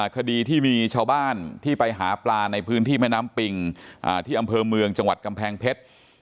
คดีที่มีชาวบ้านที่ไปหาปลาในพื้นที่แม่น้ำปิงที่อำเภอเมืองจังหวัดกำแพงเพชร